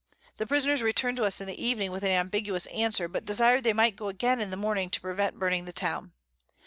The Prisoners return'd to us in the Evening with an ambiguous Answer; but desir'd they might go again in the Morning to prevent burning the Town.